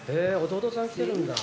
弟さん来てるんだ。